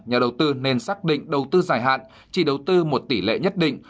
nhà đầu tư nên xác định đầu tư dài hạn chỉ đầu tư một tỷ lệ nhất định